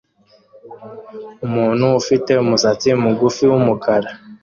Umuntu ufite umusatsi mugufi wumukara